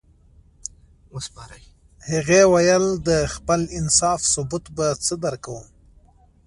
هغې ویل د خپل انصاف ثبوت به څه درکوم